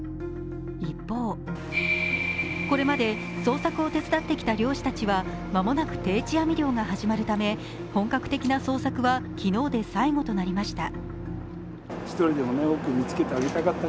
一方、これまで捜索を手伝ってきた漁師たちは間もなく定置網漁が始まるため本格的な捜索は昨日で最後となりました。